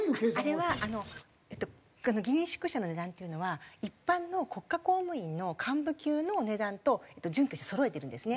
あれは議員宿舎の値段っていうのは一般の国家公務員の幹部級の値段と準拠してそろえてるんですね。